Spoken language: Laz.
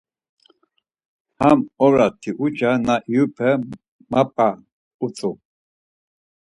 Ham ora Tiuça, na iyupe Mapa utzu.